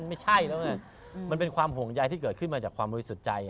ไม่ใช่แล้วไงมันเป็นความห่วงใยที่เกิดขึ้นมาจากความบริสุทธิ์ใจ